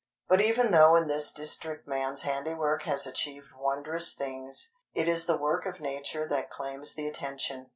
But even though in this district man's handiwork has achieved wondrous things, it is the work of Nature that claims the attention.